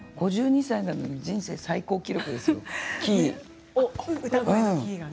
５２歳なのに人生最高記録ですよ、歌のキーが。